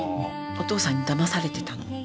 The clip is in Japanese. お父さんにだまされてたの。